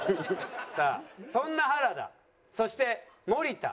さあそんな原田そして森田。